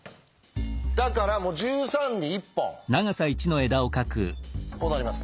だから１３に１本こうなります。